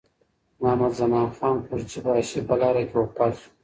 محمدزمان خان قورچي باشي په لاره کې وفات شو.